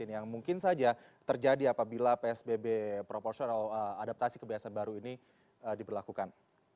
yang mungkin saja terjadi apabila psbb proporsional adaptasi kebiasaan baru ini diberlakukan